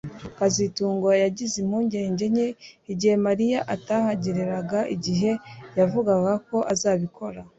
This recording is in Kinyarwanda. kazitunga yagize impungenge nke igihe Mariya atahageraga igihe yavugaga ko azabikora